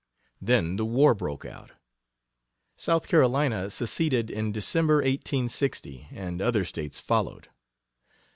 Then the war broke out. South Carolina seceded in December, 1860 and other States followed.